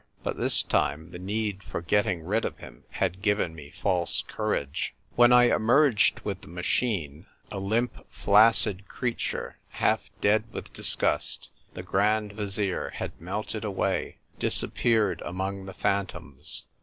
But this time the need for getting rid of him had given me false courage. When I emerged with the machine, a limp flaccid creature, half dead with disgust, the Grand Vizier had melted away, disappeared among the phantoms.